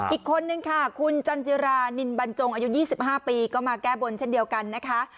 อีกคนนึงค่ะคุณจันจิรานินบรรจงอายุ๒๕ปีก็มาแก้บนเช่นเดียวกันนะคะ